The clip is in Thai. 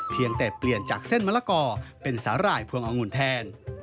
เพียงแต่เปลี่ยนจากเส้นมะละกอเป็นสาหร่ายพวงองุ่นแทน